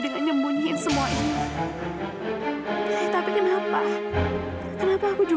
aku ke kamar ibu mau ganti baju